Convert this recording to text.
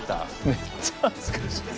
めっちゃ恥ずかしい！